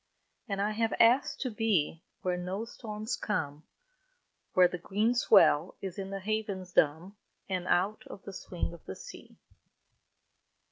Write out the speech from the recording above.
And I have asked to be Where no storms come, Where the green swell is in the havens dumb, And out of the swing of the sea.